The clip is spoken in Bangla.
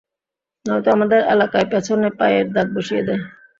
নয়তো আমাদের এলাকায়, পেছনে পায়ের দাগ বসিয়ে দেয়।